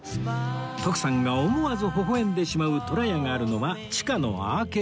徳さんが思わず微笑んでしまうとらやがあるのは地下のアーケード街